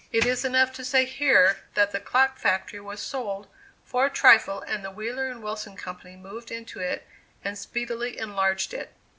It is enough to say here, that the clock factory was sold for a trifle and the Wheeler & Wilson Company moved into it and speedily enlarged it.